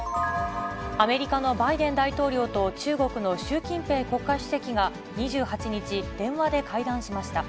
アメリカのバイデン大統領と中国の習近平国家主席が、２８日、電話で会談しました。